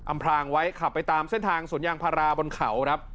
พลางไว้ขับไปตามเส้นทางสวนยางพาราบนเขาครับ